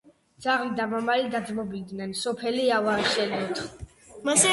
ძაღლი და მამალი დაძმობილდენ: სოფელი ავაშენოთო